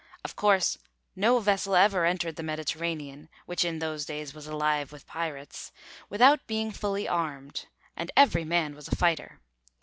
Of course, no vessel ever entered the Mediterranean, which in those days was alive with pirates, without being fully armed, and every man was a fighter.